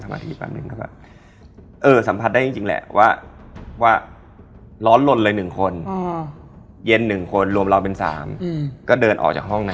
มันอาจจะ